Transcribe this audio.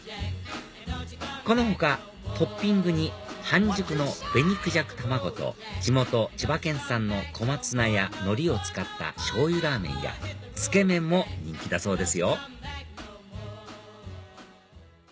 この他トッピングに半熟の紅孔雀卵と地元千葉県産の小松菜やのりを使った醤油ラーメンやつけめんも人気だそうですよ